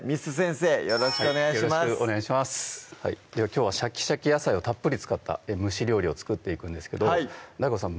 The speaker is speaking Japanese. きょうはシャキシャキ野菜をたっぷり使った蒸し料理を作っていくんですけどはいＤＡＩＧＯさん